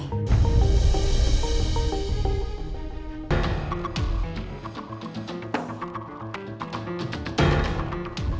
lihatlah apa yang ada di sini